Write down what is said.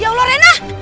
ya allah rena